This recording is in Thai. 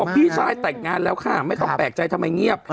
พี่ชายแต่งงานแล้วค่ะไม่ต้องแปลกใจทำไมเงียบ